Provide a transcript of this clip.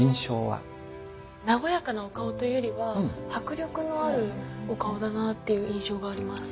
和やかなお顔というよりは迫力のあるお顔だなっていう印象があります。